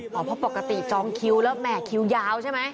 เพราะปกติจองคิวแล้วแห่คิวยาวใช่ไหม